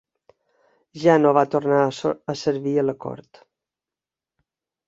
Ja no va tornar a servir a la cort.